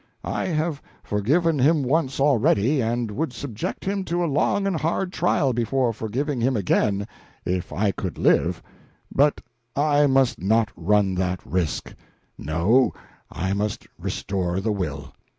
I have forgiven him once already, and would subject him to a long and hard trial before forgiving him again, if I could live; but I must not run that risk. No, I must restore the will.